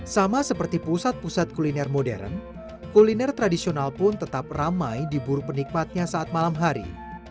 sama seperti pusat pusat kuliner modern kuliner tradisional pun tetap ramai di buru penikmatnya saat malam hari